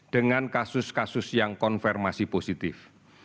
dengan kasus kasus yang konfirmasi positif